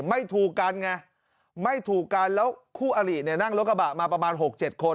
ไม่ถูกกันไงไม่ถูกกันแล้วคู่อลิเนี่ยนั่งรถกระบะมาประมาณ๖๗คน